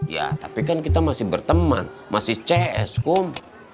ya tapi kan kita masih berteman masih cs com